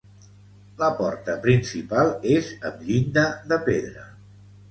La porta principal és amb llinda de pedra.